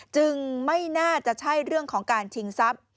ไม่น่าจะใช่เรื่องของการชิงทรัพย์